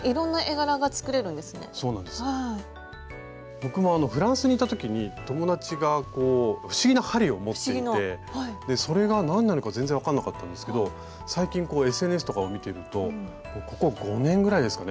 僕もフランスにいた時に友達が不思議な針を持っていてそれが何なのか全然分かんなかったんですけど最近ＳＮＳとかを見てるとここ５年ぐらいですかね